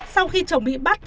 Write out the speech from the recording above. sau khi chồng bị bắt